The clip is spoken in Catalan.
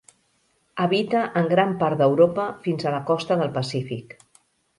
Habita en gran part d'Europa fins a la costa del Pacífic.